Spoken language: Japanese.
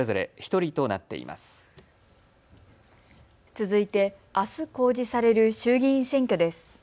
続いて、あす公示される衆議院選挙です。